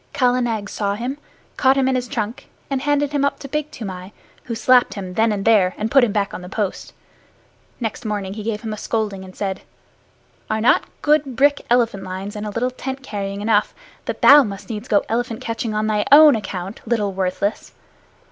Kala Nag saw him, caught him in his trunk, and handed him up to Big Toomai, who slapped him then and there, and put him back on the post. Next morning he gave him a scolding and said, "Are not good brick elephant lines and a little tent carrying enough, that thou must needs go elephant catching on thy own account, little worthless?